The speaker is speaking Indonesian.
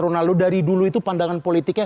runa luluh dari dulu itu pandangan politiknya